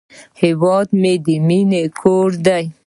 هیواد مې د مینې کور دی